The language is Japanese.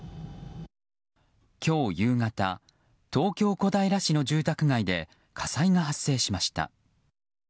今日夕方東京・小平市の住宅街で火災が発生しました。